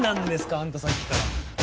あんたさっきから。